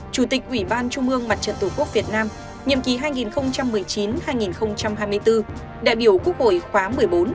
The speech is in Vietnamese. chủ tịch ủy ban chung mương mặt trận tổ quốc việt nam đại biểu quốc hội khóa một mươi bốn